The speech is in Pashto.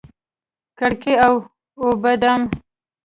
کړکۍ و اوبدم